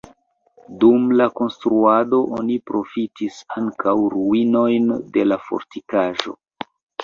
Dum la konstruado oni profitis ankaŭ ruinojn de la fortikaĵo.